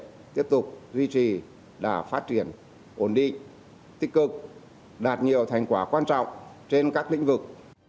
tổng thể tiếp tục duy trì đả phát triển ổn định tích cực đạt nhiều thành quả quan trọng trên các lĩnh vực